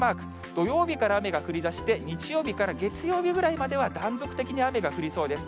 土曜日から雨が降りだして、日曜日から月曜日ぐらいまでは断続的に雨が降りそうです。